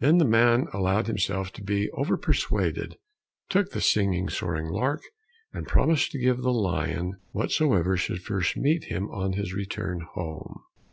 Then the man allowed himself to be over persuaded, took the singing, soaring lark, and promised to give the lion whatsoever should first meet him on his return home.